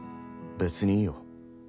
別にいいよ。